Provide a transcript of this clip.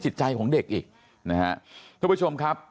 จิตใจของเด็กอีกเพื่อนไปชมครับ